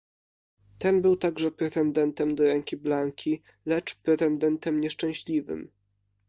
"Ten był także pretendentem do ręki Blanki, lecz pretendentem nieszczęśliwym."